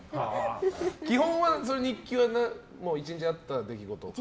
基本は、日記はもう１日あった出来事を書いて。